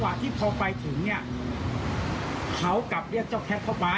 บางคนบอกว่าออกมาแก้ตัวหรือเปล่า